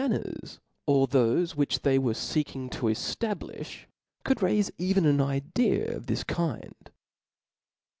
manners, or thoic which they were feeking 10 eftab liih) could raife even an idea of this kind.